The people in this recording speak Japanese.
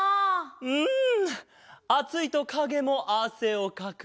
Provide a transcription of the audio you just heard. うんあついとかげもあせをかく。